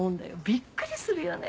びっくりするよね